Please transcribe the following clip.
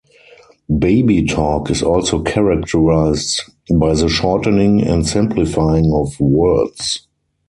Baby talk is also characterized by the shortening and simplifying of words.